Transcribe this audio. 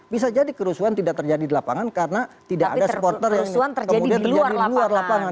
bisa jadi kerusuhan tidak terjadi di lapangan karena tidak ada supporter yang kemudian terjadi di luar lapangan